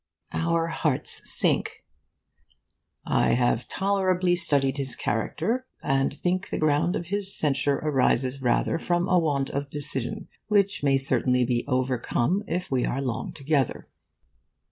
Our hearts sink. 'I have tolerably studied his character, and think the ground of this censure arises rather from a want of decision, which may certainly be overcome, if we are long together.